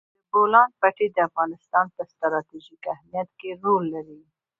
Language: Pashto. د بولان پټي د افغانستان په ستراتیژیک اهمیت کې رول لري.